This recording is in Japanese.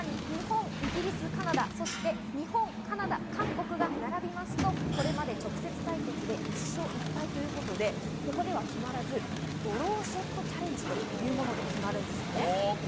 日本、イギリス、カナダ、そして日本、カナダ、韓国が並びますと、これまで直接対決で１勝１敗ということで、ここでは決まらずドローショットチャレンジというもので決まります。